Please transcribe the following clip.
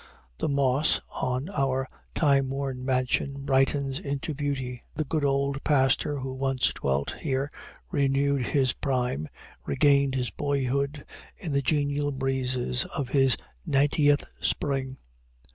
The moss on our time worn mansion brightens into beauty, the good old pastor who once dwelt here renewed his prime, regained his boyhood, in the genial breezes of his ninetieth spring.